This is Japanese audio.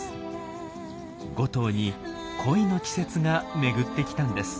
５頭に恋の季節が巡ってきたんです。